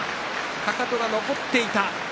かかとは残っていた。